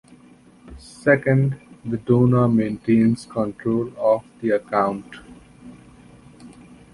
Second, the donor maintains control of the account.